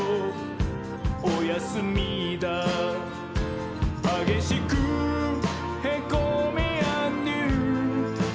おやすみだー」「はげしくへこみーあんどゆー」